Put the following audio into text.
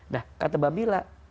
nah kata babila